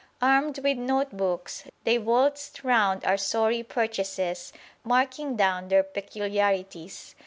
Armed with note books they waltzed round our sorry purchases, marking down their peculiarities.